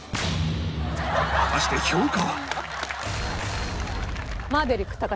果たして評価は？